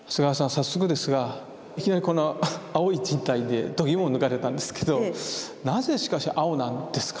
早速ですがいきなりこの青い人体でどぎもを抜かれたんですけどなぜしかし青なんですか？